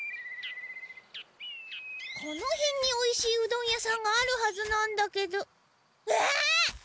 このへんにおいしいうどん屋さんがあるはずなんだけど。